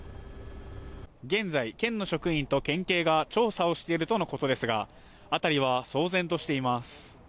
現在、県の職員と県警が調査をしているとのことですが辺りは騒然としています。